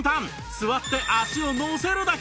座って足を乗せるだけ